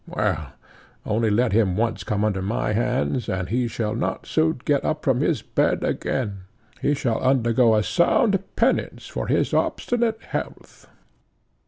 Well; only let him once come under my hands, and he shall not soon get up from his bed again; he shall undergo a sound penance for his obstinate health."